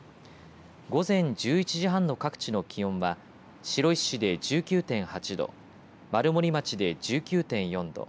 午前１１時半の各地の気温は白石市で１９．８度丸森町で１９．４度